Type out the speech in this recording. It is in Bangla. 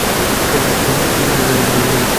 অপেক্ষা করছি ঘন্টার জন্যে, ঢং ঢং ঢং।